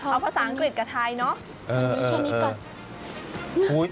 เอาภาษาอังกฤษกับไทยเนาะ